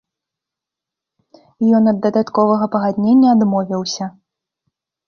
Ён ад дадатковага пагаднення адмовіўся.